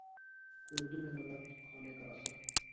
کو اردو میں نبات خانے کا اثر